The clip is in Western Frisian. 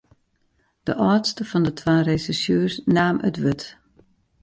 De âldste fan de twa resjersjeurs naam it wurd.